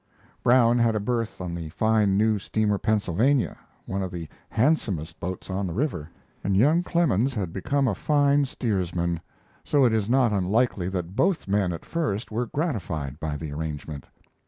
Brown had a berth on the fine new steamer Pennsylvania, one of the handsomest boats on the river, and young Clemens had become a fine steersman, so it is not unlikely that both men at first were gratified by the arrangement.